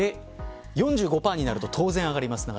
４５％になると当然、上がります。